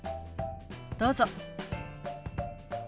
どうぞ。